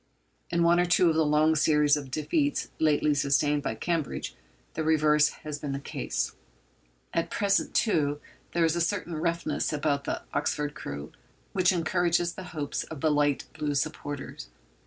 In one or two of the long series of defeats lately sustained by Cambridge the reverse has been the case. At present, too, there is a certain roughness about the Oxford crew which encourages the hopes of the light blue supporters.